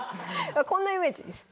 こんなイメージです。